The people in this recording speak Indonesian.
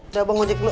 udah bang ngajak dulu